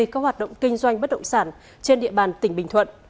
các hoạt động kinh doanh bất động sản trên địa bàn tỉnh bình thuận